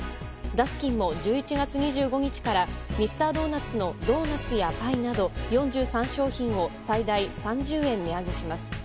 ダスキンも１１月２５日からミスタードーナツのドーナツやパイなど４３商品を最大３０円値上げします。